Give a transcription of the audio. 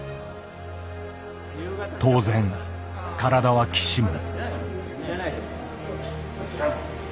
当然体はきしむ。